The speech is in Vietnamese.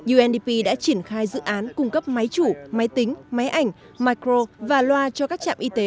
undp đã triển khai dự án cung cấp máy chủ máy tính máy ảnh micro và loa cho các trạm y tế